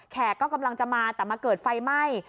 ก็กำลังจะมาแต่มาเกิดไฟไหม้